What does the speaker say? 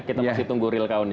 kita masih tunggu real count ya